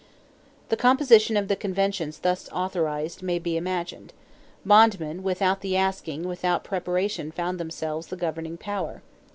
The composition of the conventions thus authorized may be imagined. Bondmen without the asking and without preparation found themselves the governing power.